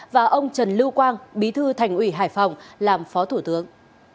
và ông trần lưu quang bí thư thành ủy hải phòng làm phó thủ tướng